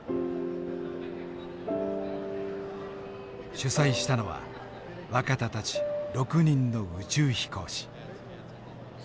主催したのは若田たち６人の宇宙飛行士。